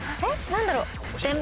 何だろう？